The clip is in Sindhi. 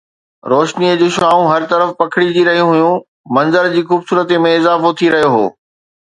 روشنيءَ جون شعاعون هر طرف پکڙجي رهيون هيون، منظر جي خوبصورتي ۾ اضافو ٿي رهيو هو